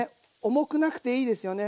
重くなくていいですよね。